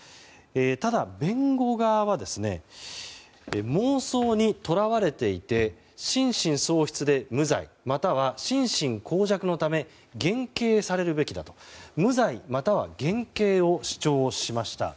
ただ、弁護側は妄想にとらわれていて心神喪失で無罪または、心神耗弱のため減刑されるべきだと無罪または減刑を主張しました。